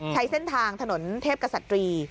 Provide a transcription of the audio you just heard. ใช้เส้นทางถนนเทพกษัตรี